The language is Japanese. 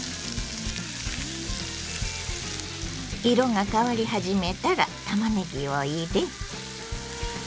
色が変わり始めたらたまねぎを入れ。